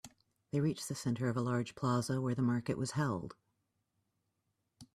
They reached the center of a large plaza where the market was held.